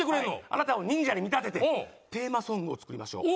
あなたを忍者に見立ててテーマソングを作りましょう。